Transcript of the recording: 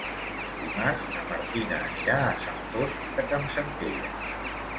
Dimarts na Martina anirà a Sant Fost de Campsentelles.